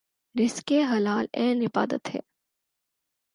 رزق حلال عین عبادت ہے